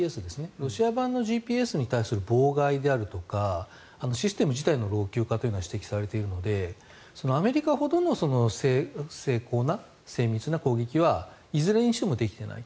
ロシア版のＧＰＳに対する妨害であるとかシステム自体の老朽化というのは指摘されているのでアメリカほどの精巧な、精密な攻撃はいずれにしてもできていない。